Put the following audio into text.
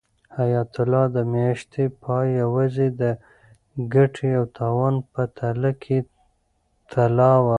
حیات الله د میاشتې پای یوازې د ګټې او تاوان په تله کې تلاوه.